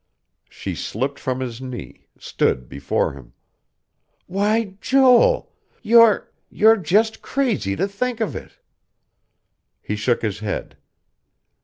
She slipped from his knee, stood before him. "Why, Joel! You're you're just crazy to think of it." He shook his head.